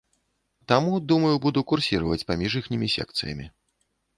Таму, думаю, буду курсіраваць паміж іхнімі секцыямі.